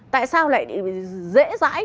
tại sao lại dễ dãi